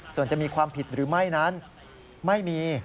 ส่วนจะมีความผิดหรือไม่นั้นไม่มี